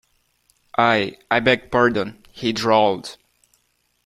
I, I beg pardon, he drawled.